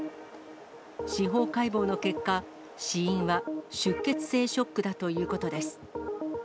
司法解剖の結果、死因は出血性ショックだということです。